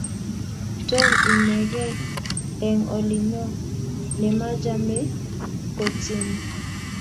tom inekei eng olinyoo nemachamei kotyenii